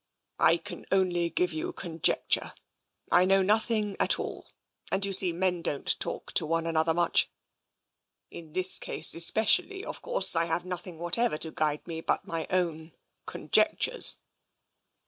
" I can only give you conjecture. I know nothing at all, and you see, men don't talk to one another, much. In this case especially, of course, I have nothing what ever to guide me but my own conjectures."